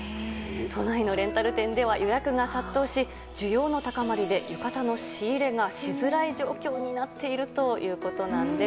都内のレンタル店では予約が殺到し需要の高まりで浴衣の仕入れがしづらい状況になっているということなんです。